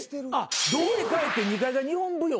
家帰って２階が日本舞踊。